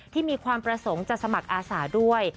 ที่มีความประสงค์จะสมัครอาสาด้วย